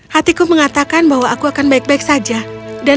hatiku mengatakan bahwa aku akan baik baik saja dan